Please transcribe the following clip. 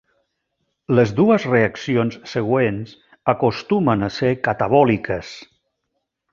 Les dues reaccions següents acostumen a ser catabòliques.